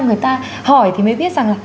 người ta hỏi thì mới biết rằng là